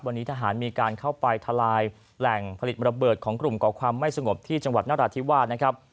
วันนี้ทหารมีการเข้าไปทลายแหล่งผลิตระเบิดของกลุ่มก่อความไม่สงบที่จังหวัดนราธิวาสนะครับ